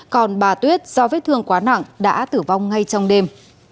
còn bà tuyết do vết thương quá nặng đã tử vong ngay trong đêm